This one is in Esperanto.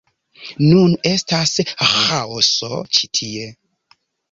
Nun estas ĥaoso ĉi tie